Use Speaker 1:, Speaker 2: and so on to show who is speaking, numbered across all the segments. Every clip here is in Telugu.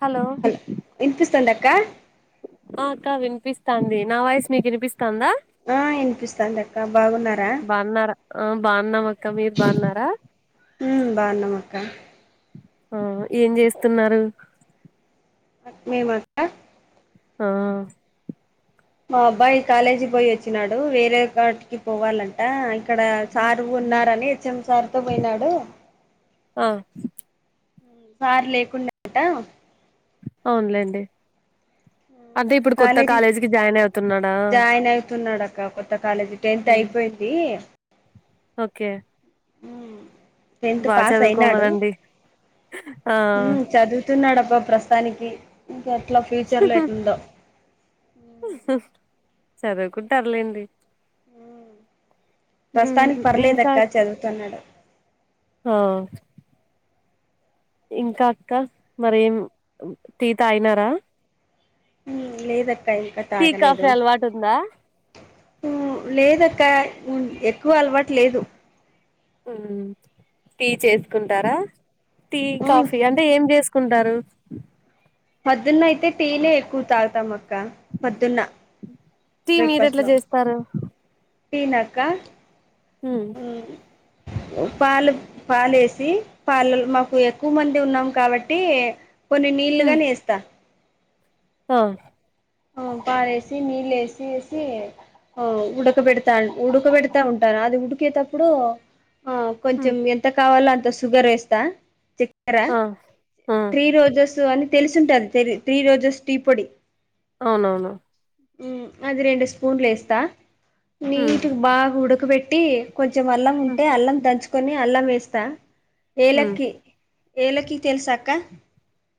Speaker 1: హలో
Speaker 2: వినిపిస్తాంద అక్క
Speaker 1: అ ఆక్క వినిపిస్తాంది నా వాయిసు మీక్ వినిపిస్తందా
Speaker 2: ఆ వినిపిస్తాంది అక్క బాగున్నారా
Speaker 1: బాగున్నారా ఆ బాగున్నామక్క మీర్ బాగున్నారా
Speaker 2: ఉమ్ బాగున్నమ్మక్క
Speaker 1: ఆ ఏం జెస్తున్నారు
Speaker 2: మేమ
Speaker 1: ఆ
Speaker 2: మా అబ్బాయి కాలేజీ పోయి వచ్చినాడు వేరే కాటికి పోవాలం అ ఇక్కడ సార్ ఉన్నారని హెచ్ఎం సార్ తో పోయినాడు
Speaker 1: ఆ
Speaker 2: సార్ లేకుండే అట
Speaker 1: అవునులేండి అదే ఇప్పుడు కొత్త
Speaker 2: కాలేజీ
Speaker 1: కాలేజీకి జాయిన్ అయి
Speaker 2: జాయిన్ అయితున్నాడక్క కొత్త కాలేజీ టెన్త్ అయిపోయింది
Speaker 1: ఓకే
Speaker 2: ఉమ్ టెన్త్
Speaker 1: బాగా
Speaker 2: పాస్ అయినాడు
Speaker 1: చదువుకోమనండి ఆ
Speaker 2: ఉమ్ చదువు తున్నాడబ్బా ప్రస్తతానికి ఇంకెట్లా ఫ్యూచర్లో ఎట్లుందో
Speaker 1: చదువుకుంటారు లేండి
Speaker 2: ప్రస్తతానికి
Speaker 1: ఇంకా
Speaker 2: పర్లేదక్క చదువుతున్నాడు
Speaker 1: ఆ ఇంకా అక్క మరేం టీ తాగినారా
Speaker 2: ఉమ్ లేదక్క ఇంకా
Speaker 1: టీ
Speaker 2: తాగలేదు
Speaker 1: కాఫీ అలవాటు ఉందా
Speaker 2: ఉ లేదక్క ఉన్ ఎక్కువ అలవాట్ లేదు
Speaker 1: ఉహు టీ చేసుకుంటారా టీ
Speaker 2: ఉమ్,
Speaker 1: కాఫీ అంటే ఏం చేసుకుంటారు
Speaker 2: పొద్దున్నయితే టీనే ఎక్కువ తాగుతాం అక్క పొద్దున్న బ్రేక్ఫాస్ట్ లో
Speaker 1: తరు
Speaker 2: టినాక్క
Speaker 1: హ్మ్
Speaker 2: ఉహు పాలు పాలేసి పాలలో మాకు ఎక్కువ మంది ఉన్నాం కాబట్టి కొన్ని నీళ్లుగానేస్తా
Speaker 1: అ
Speaker 2: పాలేసి నీళ్ళు ఎసి ఎసి ఆ ఉడకబెడతా ఉడకబెడతా ఉంటారు అది ఉడికేతప్పుడు ఆ
Speaker 1: హ్మ్
Speaker 2: కొంచెం ఎంత కావాలో అంత షుగర్ వేస్తా చెక్ ర
Speaker 1: ఆ ఆ
Speaker 2: త్రీ రోజెస్ అని తెలిసుంటాది తెరి త్రీ రోజెస్ టీ పొడి
Speaker 1: అవునవును
Speaker 2: మ్ అది రెండు స్పూన్లు ఎస్తా
Speaker 1: హ్మ్
Speaker 2: నీట్గ బాగా ఉడకపెట్టి కొంచెం అల్లం
Speaker 1: హ్మ్
Speaker 2: ఉంటే అల్లం దంచుకొని అల్లం వేస్తా
Speaker 1: హ్మ్
Speaker 2: ఏలక్కి ఏలకి తెలుసాక్క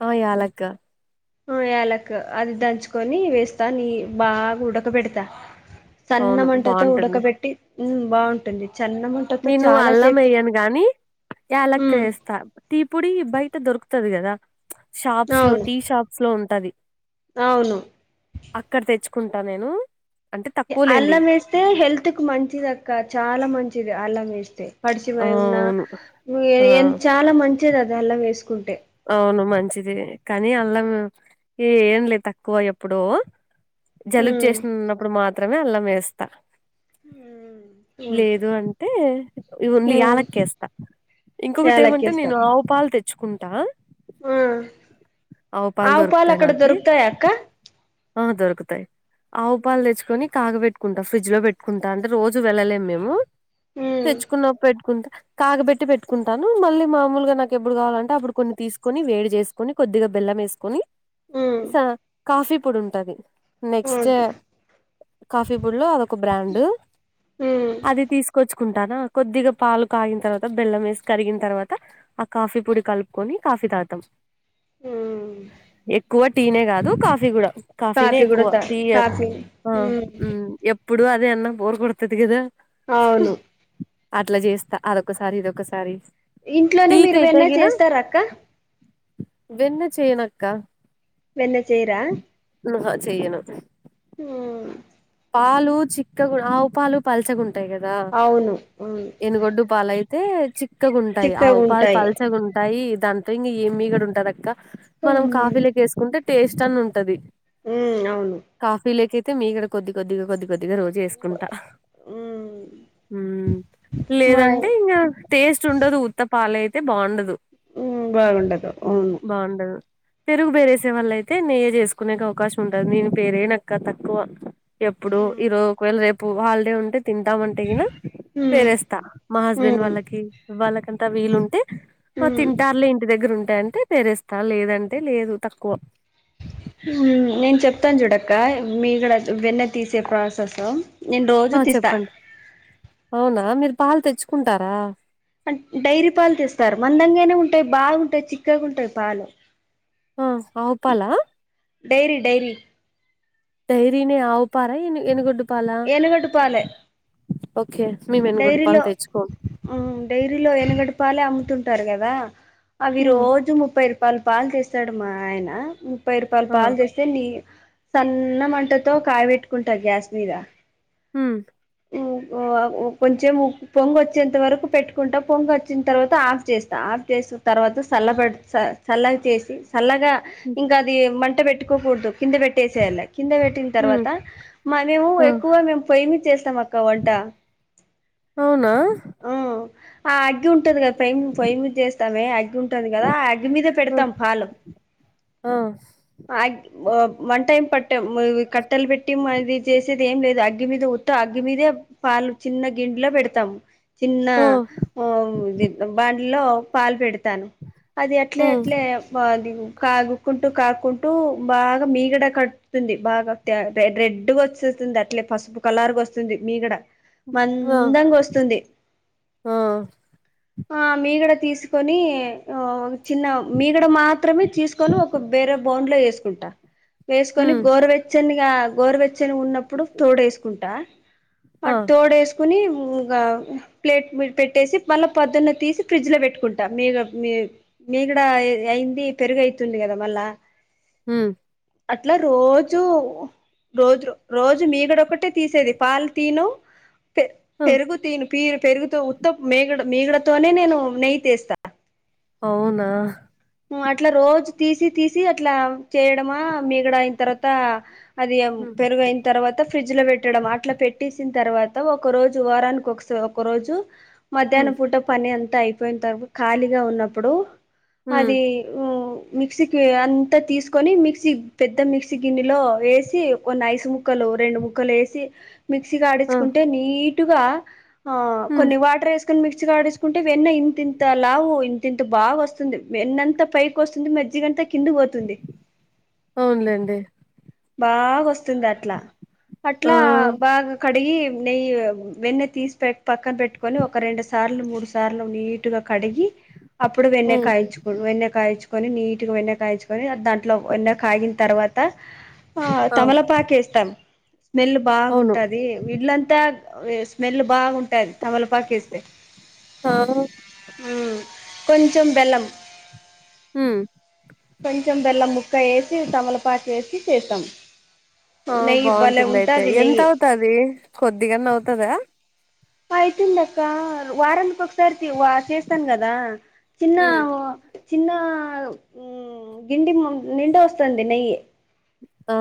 Speaker 1: ఆ ఏలక్క
Speaker 2: ఆ యాలక్ అది దంచుకొని వేస్తా నీ బాగా ఉడకబెడతా
Speaker 1: అవును
Speaker 2: సన్నమంటతో
Speaker 1: బాగుంటుంది
Speaker 2: ఉడకబెట్టి ఉమ్ బావుంటుంది చన్నమ
Speaker 1: నేను అల్లం వెయ్యాను గాని ఏలక్
Speaker 2: మ్
Speaker 1: ఎస్తా టీ పొడి బయట దొరుకుతది కదా షాప్స్లో
Speaker 2: అవును
Speaker 1: టీ షాప్స్లో ఉంటది
Speaker 2: అవును
Speaker 1: అక్కడ తెచ్చుకుంటా నేను అంటే తక్కువలేండి
Speaker 2: అల్లం వేస్తే హెల్త్కు మంచిదక్క చాలా మంచిది అల్లం వేస్తే
Speaker 1: ఆ
Speaker 2: పడిచేమే ఉన్నా
Speaker 1: అవును ఆ
Speaker 2: చాలా మంచిది అది అల్లం వేసుకుంటే
Speaker 1: అవును మంచిది కానీ అల్లం ఎయ్యనులే తక్కువ ఎప్పుడో జలుబు
Speaker 2: ఉమ్
Speaker 1: చేసినున్నప్పుడు మాత్రమే అల్లం వేస్తా
Speaker 2: హ్మ్
Speaker 1: లేదు అంటే ఓన్లీ
Speaker 2: ఉమ్
Speaker 1: యాలక్కేస్తా ఇంకొకటి
Speaker 2: యాలకి
Speaker 1: ఏమంటే నేను ఆవు పాలు తెచ్చుకుంటా
Speaker 2: ఉమ్ ఆవు పాలు అక్కడ దొరుకుతాయ అక్క
Speaker 1: ఆ దొరుకుతాయి ఆవు పాలు తెచ్చుకొని కాగబెట్టుకుంటా ఫ్రిడ్జ్ లో పెట్టుకుంటా అంటే రోజు వెళ్ళలేము మేము
Speaker 2: ఉమ్
Speaker 1: తెచ్చుకున్న పెట్టుకుంటా కాగబెట్టి పెట్టుకుంటాను మళ్ళీ మామూలుగా నాకు ఎప్పుడు కావాలంటే అప్పుడు కొన్ని తీసుకొని వేడి జేసి కని కొద్దిగా బెల్లం వేసుకొని
Speaker 2: ఉమ్
Speaker 1: స కాఫీ పొడి ఉంటది నెక్స్ట్
Speaker 2: ఓకే
Speaker 1: కాఫీ పొడ్లో అదొక బ్రాండు
Speaker 2: ఉమ్
Speaker 1: అది తీసుకొచ్చుకుంటానా కొద్దిగా పాలు కాగిన తర్వాత బెల్లం వేసి కరిగిన్ తర్వాత ఆ కాఫీ పొడి కలుపుకొని కాఫీ తాగుతాం
Speaker 2: ఉమ్
Speaker 1: ఎక్కువ టీనే కాదు కాఫీ కూడా కాఫీనే
Speaker 2: కాఫీ కూడా
Speaker 1: ఎక్కువ
Speaker 2: తా
Speaker 1: టీ
Speaker 2: కాఫీ
Speaker 1: ఆ
Speaker 2: ఉమ్
Speaker 1: మ్ ఎప్పుడు అదే అన్నా బోర్ కొడతది కదా
Speaker 2: అవును
Speaker 1: అట్లా చేస్తా అదొకసారి ఇదొకసారి
Speaker 2: ఇంట్లోనే మీరు
Speaker 1: టీకైతే
Speaker 2: వెన్న
Speaker 1: గిన
Speaker 2: చేస్తార అక్క
Speaker 1: వెన్న చేయనక్క
Speaker 2: వెన్న చేయర
Speaker 1: నుహా చెయను ఆది
Speaker 2: ఉ
Speaker 1: పాలు చిక్క ఆవు పాలు పల్చగా ఉంటాయి కదా
Speaker 2: అవును అవును
Speaker 1: ఎనుగొడ్డు పాలుయి అయితే చిక్కగా ఉంటాయి
Speaker 2: చిక్కగా
Speaker 1: ఆవు పాలు
Speaker 2: ఉంటాయి
Speaker 1: పల్సగా ఉంటాయి దాంతో ఇంకా ఏమి మీగడ ఉంటది అక్క మనం
Speaker 2: అవును
Speaker 1: కాఫీలక వేసుకుంటే టేస్ట్ అని ఉంటది
Speaker 2: ఉమ్ అవును
Speaker 1: కాఫీ లేక అయితే మీడ కొద్ది కొద్దిగా కొద్ది కొద్దిగా రోజు వేసుకుంటా
Speaker 2: ఉమ్
Speaker 1: మ్
Speaker 2: మాయ్
Speaker 1: లేదంటే ఇంకా టేస్ట్ ఉండదు ఉత్తపాలు అయితే బాగుండదు
Speaker 2: మ్ బాగుండదు ఆవును
Speaker 1: అండా పెరుగు పేరేసేవాళ్ళయితే నెయ్యే చేసుకునేకు అవకాశం ఉండదు నేను పేరేనక్క తక్కువ ఎప్పుడు ఈరోజు
Speaker 2: ఉమ్
Speaker 1: ఒకవేళ రేపు హాలిడే ఉంటే తింటాం అంటే ఈన
Speaker 2: ఉమ్
Speaker 1: పేరేస్తా మా హస్బెండ్
Speaker 2: ఉమ్
Speaker 1: వాళ్ళకి వాళ్ళకంతా వీలుంటే
Speaker 2: ఉమ్
Speaker 1: తింటారులే ఇంటి దగ్గర ఉంటాయి అంటే పేరేస్త తను లేదంటే లేదు తక్కువ
Speaker 2: నేను చెప్తాను చూడక్క మీగడ వెన్నె తీసే ప్రాసెస్ నేను రోజు
Speaker 1: ఆ
Speaker 2: తీస్తా
Speaker 1: చెప్పండి అవునా మీరు పాలు తెచ్చుకుంటారా
Speaker 2: డైరీ పాలు తేస్తారు మందంగానే ఉంటాయి బాగుంటాయి చిక్కగా ఉంటాయి పాలు
Speaker 1: ఆ ఆవు పాలా
Speaker 2: డైరీ డైరీ
Speaker 1: డైరీనే ఆవుపార ఏనిగోడు
Speaker 2: ఏనుగోడు పాలే
Speaker 1: ఓకే మేము ఏనుగోడ పాలు
Speaker 2: డైరీలో
Speaker 1: తేజ్కోం
Speaker 2: డైరీలో ఎనగడు పాలే అమ్ముతుంటారు కదా అవి
Speaker 1: ఉమ్,
Speaker 2: రోజు ముప్పై రూపా ముప్పైరూపాలు పాలు చేస్తాడు మా ఆయన ముప్పై రూపాయలు
Speaker 1: ఆ
Speaker 2: పాలు చేస్తే నీ సన్న మంటతో కాయబెట్టుకుంట గ్యాస్ మీద
Speaker 1: మ్
Speaker 2: ఉ హు ఉ కొంచెం పొంగ వచ్చేంత వరకు పెట్టుకుంటా పొంగ వచ్చిన తర్వాత ఆఫ్ చేస్తా ఆఫ్ చేస్తా తర్వాత సల్ల బెట్టి సల్లగా చేసి చల్లగా
Speaker 1: ఉమ్,
Speaker 2: ఇంకా అది మంట పెట్టుకోకూడదు కింద పెట్టేసేయళ కింద పెట్ పెట్టిన
Speaker 1: ఉమ్,
Speaker 2: తర్వాత మరి ఉ మేము
Speaker 1: ఆ,
Speaker 2: ఎక్కువ మేము పొయ్యిమీద చేస్తాం అక్క వంట
Speaker 1: అవునా
Speaker 2: మ్ ఆ అగ్గి ఉంటుంది కదా ప్య పొయి చేస్తామే అగ్గి ఉంటది కదా ఆ అగ్గి మీద పెడతాం పాలు
Speaker 1: ఆ
Speaker 2: వన్ టైమ్ పట్టం కట్టలు పెట్టి మాది చేసేది ఏం లేదు అగ్గి మీద అగ్గి మీదే పాలు చిన్న గిడ్లే పెడతాము చిన్న ఓ మ్ బండిలో పాలు పెడుతు తాను అది అట్లే
Speaker 1: ఉమ్,
Speaker 2: అట్లే ఆది కాగు కుంటూ కాక్కుంటూ బాగా మీగడ కట్తుంది బాగా రెడ్గా వచ్చేస్తుంది అట్లే పసుపు కలరూ గా వస్తుంది మీగడ,
Speaker 1: ఉమ్,
Speaker 2: మందంగా వస్తుంది. ఆ మీగడ తీసుకొని ఆ చిన్న మీగడ మాత్రమే, తీసుకొని ఒక వేరే బౌల్ లో వేసుకుంటా. వేసుకొని
Speaker 1: ఉమ్,
Speaker 2: గోరవెచ్చనిగా గోరవెచ్చని ఉన్నప్పుడు తోడు వేసుకుంటా
Speaker 1: ఆ
Speaker 2: పోడేసుకోని ఇంగా ప్లేట్ పెట్టేసి మళ్ళా పొద్దున్న తీసి ఫ్రిడ్జ్ లో పెట్టుకుంటాం మీద మీ మీగడ అయింది పెరుగయితుంది కదా మళ్ళా
Speaker 1: ఉ
Speaker 2: అట్లా రోజూ రోజు రోజు మీగడ ఒకటే తీసేది పాలు తియను పెరుగు తియను పీ పెరుగుత ఉత్త మీగడ మీగడతోనే నేను నెయ్యి తీస్తా
Speaker 1: అవునా
Speaker 2: అట్లా రోజు తీసి తీసి అట్లా చేయడమా మీగడ అయిన తర్వాత అది పెరుగైన తర్వాత ఫ్రిడ్జ్ లో పెట్టడం అట్లా పెట్టేసిన తర్వాత ఒక రోజు వారానికి ఒకస ఒకరోజు మధ్యాహ్నం పూట పని అంతా అయిపోయిన తర్వా ఖాళీగా ఉన్నప్పుడు అది ఉ మిక్సీకి అంతా తీసుకొని మిక్సీ పెద్ద మిక్సీ గిన్నెలో వేసి కొన్ని ఐసు ముక్కలు రెండు ముక్కలు వేసి మిక్సీకి ఆడించుకుంటే నీటుగా ఆ కొన్ని వాటర్ వేసు కన్ మిక్స్ గా ఆడిసుకుంటే వెన్న ఇంత లావు ఇంతింత లావు ఇంతింత బాగా వస్తుంది వెన్నంత పైకి వస్తుంది మజ్జిగంతా కిందికి పోతుంది
Speaker 1: అవునులేండి
Speaker 2: బాగా వస్తుంది అట్లా
Speaker 1: ఆ
Speaker 2: అట్లా బాగా క డిగి నెయ్యి వెన్న తీసి పెట్ పక్కన పెట్టుకొని ఒక రెండు సార్లు మూడు సార్లు నీ టుగ కడిగి అప్పుడు వెన్నె
Speaker 1: ఉమ్,
Speaker 2: కాయించు వెన్న కాయిచుకొని నీటుగా వెన్న కాయిచుకొని దాంట్లో వెన్న కాగిన తర్వాత ఆ తమలపాకు ఏస్తాం మెల్
Speaker 1: అవును
Speaker 2: బాగుంటది ఇల్లంతా వే స్మెల్ బాగుంటది తమలపాకు ఏస్తే
Speaker 1: ఆ
Speaker 2: ఉ కొంచెం బెల్లం
Speaker 1: ఉ
Speaker 2: కొంచెం బెల్లం ముక్క వేసి తమలపాకు వేసి చేస్తాం
Speaker 1: ఆ
Speaker 2: నెయ్యి భలే
Speaker 1: బాగుంటుంది అయితే
Speaker 2: ఉంటుంది
Speaker 1: ఎంత
Speaker 2: నెయ్యి
Speaker 1: అవుతది కొద్దిగన్నా అవుతదా
Speaker 2: అయితుంది అక్క వారానికి ఒకసారి వా చేస్తాను గదా చిన్న అవు చిన్న గిండి నిండ వస్తుంది నెయ్యి
Speaker 1: ఆ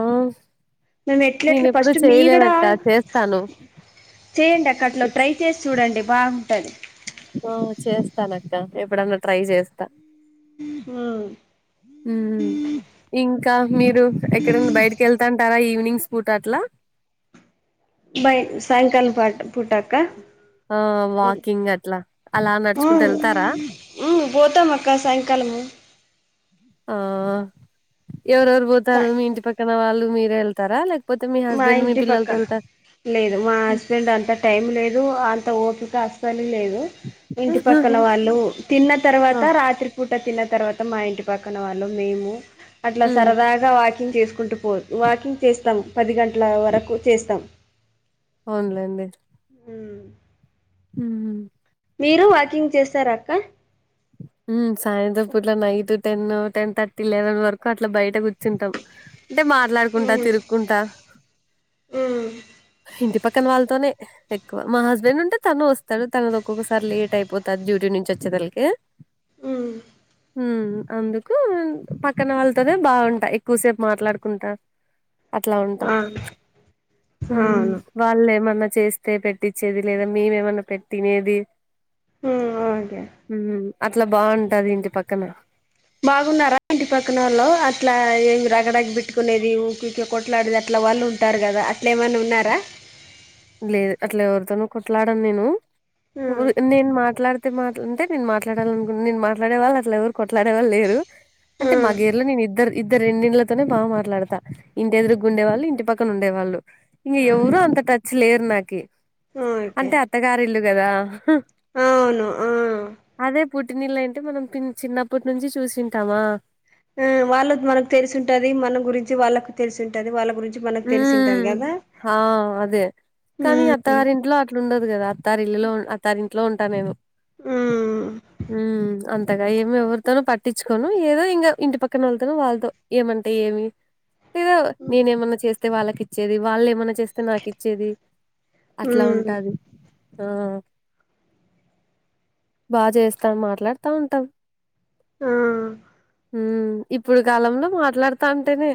Speaker 2: మేము ఎట్ల
Speaker 1: నేను
Speaker 2: ఎట్ల
Speaker 1: ఎప్పుడు
Speaker 2: ఫస్ట్ మీగడ
Speaker 1: చేయలేదక్క చేస్తాను
Speaker 2: చేయండి అక్క అట్ల
Speaker 1: ఇస్-
Speaker 2: ట్రై చేసి చూడండి బాగుంటది
Speaker 1: ఆ చేస్తానక్క ఎప్పుడన్నా ట్రై చేస్తా
Speaker 2: ఉహు
Speaker 1: మ్ ఇంకా మీరు ఎక్కడన్న బయటకి వెళ్తాంటారా ఈవినింగ్స్ పూట అట్లా
Speaker 2: బై సాయంకాలం పాట్ పూట అక్క
Speaker 1: ఆ వాకింగ్ అట్లా అలా నడుచుకుంటూ వెళ్తారా
Speaker 2: ఉ పోతాం అక్క సాయంకాలము
Speaker 1: ఆ ఎవరెవరు పోతారు మీ ఇంటి పక్కన వాళ్ళు మీరే వేళ్తారా లేక్
Speaker 2: మా ఇంటి పక్క లేదు మా హస్బెండ్ అంతా టైం లేదు అంత ఓపిక అసలు లేదు ఇంటి పక్కల వాళ్ళు తిన్న
Speaker 1: ఆ
Speaker 2: తర్వాత రాత్రి పూట తిన్న తర్వాత మా ఇంటి పక్కన వాళ్ళు మేము అట్లా
Speaker 1: ఉమ్
Speaker 2: సరదాగా అ వాకింగ్ చేసుకుంటూ పో వాకింగ్ చేస్తాం పది గంటల వరకు చేస్తాం
Speaker 1: అవున్లండి హమ్
Speaker 2: మీరు వాకింగ్ చేస్తార అక్క
Speaker 1: సాయంత్రం పుట్ల night ten ten thirty eleven వరకు అట్లా బయట కూర్చుంటాం అంటే మాట్లాడుకుంటా తిరుక్కుంటా
Speaker 2: ఉ
Speaker 1: ఇంటి పక్కన వాళ్ళతోనే ఎక్కువ మా హస్బెండ్ ఉంటే తను వస్తాడు తనది ఒక్కొక్కసారి లేట్ అయిపోతాంది డ్యూటీ నుంచి వచ్చేదలకి
Speaker 2: ఉమ్
Speaker 1: హూ అందుకు పక్కన వాళ్ళతోనే బాగుంటాయి ఎక్కువసేపు మాట్లాడుకుంటా అట్లా ఉంటాం
Speaker 2: ఆ
Speaker 1: ఉమ్
Speaker 2: అవును
Speaker 1: వాళ్ళు ఏమన్నా చేస్తే పెట్టించేది లేదా మేము ఏమన్నా పెట్టి తినేది
Speaker 2: ఉ ఓకే
Speaker 1: హమ్ అట్లా బాగుంటాది ఇంటి పక్కన
Speaker 2: బాగున్నారా ఇంటి పక్కన వాళ్లో అట్లా ఏమి రగడగ పెట్టుకునేది ఊ కొట్లాడిది అట్లా వాళ్ళు ఉంటారు కదా అట్ల ఏమైన్నా ఉన్నారా
Speaker 1: లేదు అట్లా ఎవరితోనూ కొట్లాడాను నేను
Speaker 2: ఆ
Speaker 1: నేన్ మాట్లాడిత అ మాట్లా టె మాట్లాడాలనినుకుంట నే మాట్లాడే వాళ్ళ అలా ఎవరు కొట్లాడేళ్ళు లేరు
Speaker 2: ఆ
Speaker 1: అంటే మా గేరులో నేను ఇద్దరు ఇద్దరు రెండిళ్లతోనే బాగా మాట్లాడతా ఇంటి ఎదురు గుండేవాళ్ళు ఇంటి పక్క పక్క ఉండే వాళ్ళు ఇంక ఎవరు అంత టచ్ లేరు నాకి
Speaker 2: ఆ ఓకే
Speaker 1: అంటే అత్తగారు ఇల్లు కదా
Speaker 2: అవును ఆ
Speaker 1: అదే పుట్టినిల్లు అంటే మనం చిన్నప్పటి నుంచి చూసింటామా
Speaker 2: ఆ వాళ్ళ మనకు తెలిసి ఉంటాది మన గురించి వాళ్ళకు తెలిసి ఉంటాది వాళ్ళ గురించి మనకు తెలిసుంటది
Speaker 1: ఉమ్
Speaker 2: కదా
Speaker 1: ఆ అదే కానీ
Speaker 2: ఉమ్
Speaker 1: అత్తగారింట్లో అ ఇట్లు ఉండదు కదా అత్త ఇల్లులో అత్తారెంట్లో ఉంటా నేను
Speaker 2: ఉమ్
Speaker 1: ఉ అంతగా ఏం ఎవరితోనో పట్టించుకోను ఏదో ఇంకా ఇంటి పక్కన వాళ్లతోనో వాళ్ళతో ఏమంటే ఏమి లేదో నేనే ఏమన్నా చేస్తే వాళ్ళకి ఇచ్చేది వాళ్ళు ఏమైన్నా చేస్తే నాకి ఇచ్చేది అట్లా
Speaker 2: ఉమ్
Speaker 1: ఉంటాది ఆ బా చేస్తాం మాట్లాడతా ఉంటాం
Speaker 2: ఆ
Speaker 1: హమ్ ఇప్పుడు కాలంలో మాట్లాడుతా ఉంటేనే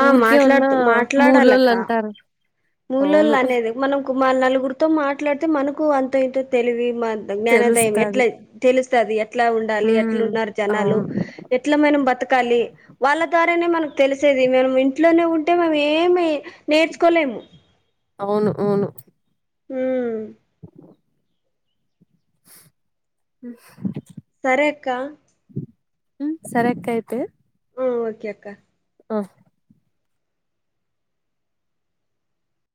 Speaker 2: ఆ మాట్లాడ్త
Speaker 1: మూలోళ్ళు
Speaker 2: మాట్లాడాలక్క
Speaker 1: అంటారు
Speaker 2: మూలలు
Speaker 1: అవును
Speaker 2: అనేది మనం మ నలుగురితో మాట్లాడితే మనకు అంత ఇంతో తెలివి మా జ్ఞానోదయం
Speaker 1: తెలుస్తది
Speaker 2: ఎట్లా తెలుస్తది ఎట్లా ఉండాలి
Speaker 1: ఉమ్
Speaker 2: ఎట్లా ఉన్నారు జనాలు
Speaker 1: అవును
Speaker 2: ఎట్ల మనం బతకాలి వాళ్ళ ద్వారానే మనకు తెలిసేది మేం ఇంట్లోనే ఉంటే మేము ఏమి నేర్చుకోలేము
Speaker 1: అవును అవును
Speaker 2: ఉమ్
Speaker 1: హ
Speaker 2: సరే అక్క
Speaker 1: వ్మ్ సరే అక్క అయితే
Speaker 2: వ్మ్ ఓకే అక్క
Speaker 1: ఆ